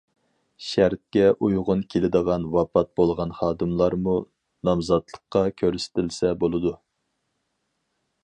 شەرتكە ئۇيغۇن كېلىدىغان ۋاپات بولغان خادىملارمۇ نامزاتلىققا كۆرسىتىلسە بولىدۇ.